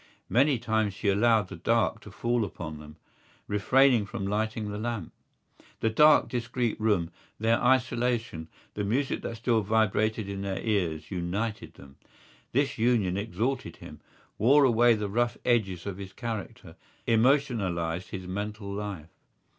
Many times she allowed the dark to fall upon them, refraining from lighting the lamp. The dark discreet room, their isolation, the music that still vibrated in their ears united them. This union exalted him, wore away the rough edges of his character, emotionalised his mental life.